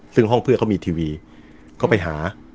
ซึ่งห้องเพื่อนเขามีทีวีก็ไปหา